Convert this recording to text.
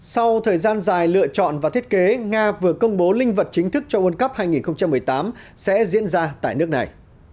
sau thời gian dài lựa chọn và thiết kế nga vừa công bố linh vật chính thức cho world cup hai nghìn một mươi tám sẽ diễn ra tại nước này